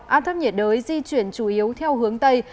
áp thấp nhiệt đới di chuyển chủ yếu theo hướng tây